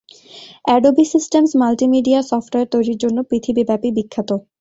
Adobe Systems multimedia software তৈরির জন্য পৃথিবীব্যাপী বিখ্যাত।